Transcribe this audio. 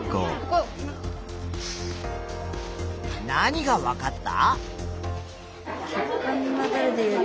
何がわかった？